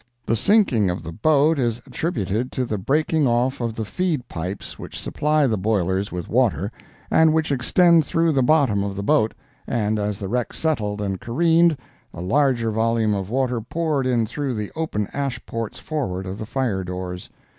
The sinking of the boat is attributed to the breaking off of the feed pipes which supply the boilers with water, and which extend through the bottom of the boat; and as the wreck settled and careened, a larger volume of water poured in through the open ash ports forward of the fire doors.